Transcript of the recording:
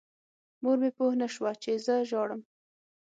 مور مې پوه نه شوه چې زه ژاړم.